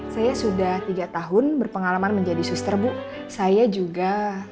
saya sudah tiga tahun berpengalaman menjadi suster bu saya juga